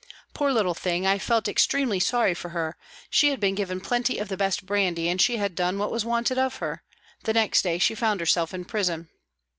Poor little thing, I felt extremely sorry for her, she had been given plenty of the best brandy and she had done what was wanted of her ; the next day she found herself in prison.